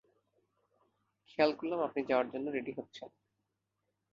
খেয়াল করলাম আপনি যাওয়ার জন্য রেডি হচ্ছেন।